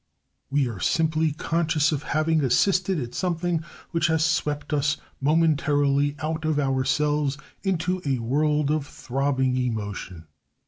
We are simply conscious of having assisted at something which has swept us momentarily out of ourselves into a world of throbbing emotion.